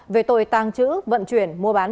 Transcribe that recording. về tội tàng trữ vận chuyển mua bán